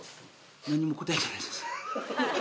何も答えてないです。